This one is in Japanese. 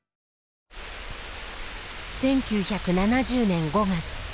１９７０年５月。